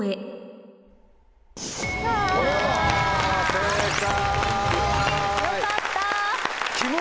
正解！